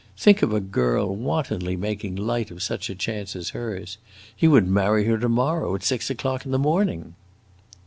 Think of a girl wantonly making light of such a chance as hers! He would marry her to morrow, at six o'clock in the morning!"